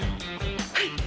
はい。